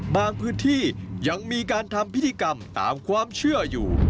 พื้นที่ยังมีการทำพิธีกรรมตามความเชื่ออยู่